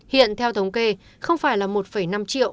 hiện theo thống kê không phải là một năm triệu